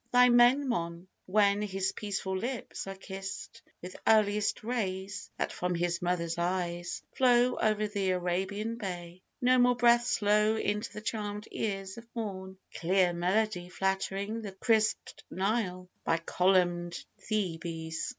Thy Memnon, when his peaceful lips are kissed With earliest rays, that from his mother's eyes Flow over the Arabian bay, no more Breathes low into the charmed ears of morn Clear melody flattering the crisped Nile By columned Thebes.